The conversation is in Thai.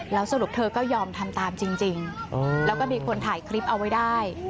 แล้วสรุปเธอก็ยอมทำตามจริงแล้วก็มีคนถ่ายคลิปเอาไว้ได้